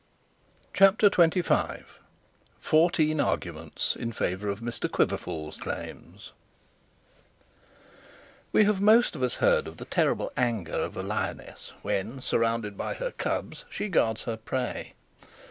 CHAPTER XXV FOURTEEN ARGUMENTS IN FAVOUR OF MR QUIVERFUL'S CLAIMS We have most of us heard of the terrible anger of a lioness when, surrounded by her cubs, she guards her prey.